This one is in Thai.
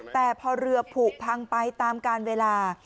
แต่พอเรือผูกพังไปตามการเวลา